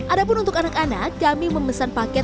ada pun untuk anak anak kami memesan paket